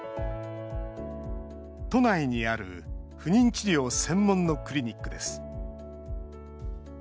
都内にある不妊治療専門のクリニックです。